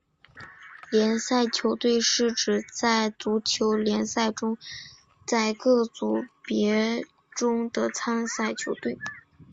联赛球队是指在足球联赛中在各组别中的参赛球队。